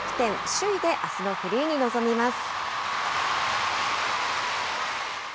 首位であすのフリーに臨みます。